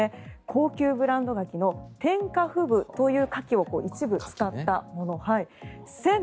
高級ブランド柿の天下富舞という柿を一部使ったもの。